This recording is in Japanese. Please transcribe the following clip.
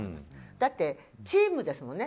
だって、チームですもんね。